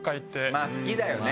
まあ好きだよね。